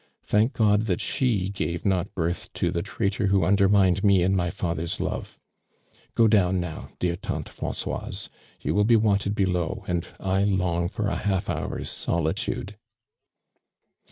Thank (Jod that she gave not birth to the traitur who undermined me in my father's love. Cio djwn now, dear/(/n/e Fraticoise, you will be wanted below and I long for a half hour's solitude."